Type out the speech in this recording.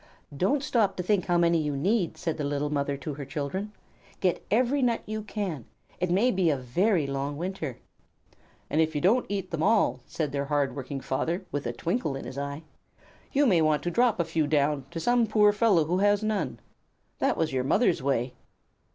"Don't stop to think how many you need," said the little mother to her children. "Get every nut you can. It may be a very long winter." "And if you don't eat them all," said their hard working father with a twinkle in his eyes, "you may want to drop a few down to some poor fellow who has none. That was your mother's way."